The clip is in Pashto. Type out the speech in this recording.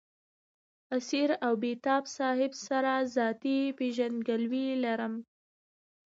اسیر او بېتاب صاحب سره ذاتي پېژندګلوي لرم.